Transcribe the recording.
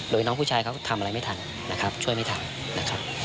โดยน้องผู้ชายเขาทำอะไรไม่ทันนะครับช่วยไม่ทันนะครับ